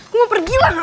gue mau pergi lah